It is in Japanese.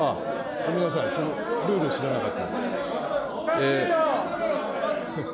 ごめんなさい、そのルール知らなかった。